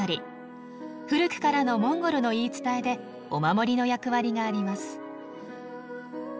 古くからのモンゴルの言い伝えでお守りの役割があります。